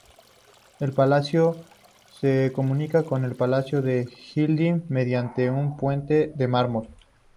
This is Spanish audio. El palacio se comunica con el Palacio de Yıldız mediante un puente de mármol.